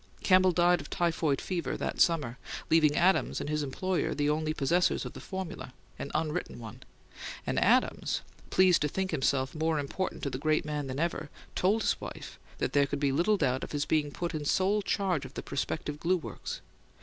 Campbell died of typhoid fever, that summer, leaving Adams and his employer the only possessors of the formula, an unwritten one; and Adams, pleased to think himself more important to the great man than ever, told his wife that there could be little doubt of his being put in sole charge of the prospective glue works.